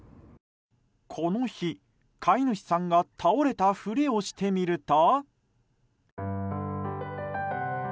この日、飼い主さんが倒れたふりをしてみると。